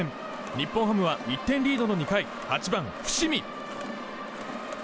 日本ハムは１点リードの２回８番、伏見。